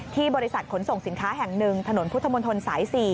บริษัทขนส่งสินค้าแห่งหนึ่งถนนพุทธมนตรสาย๔